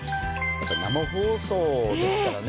生放送ですからね。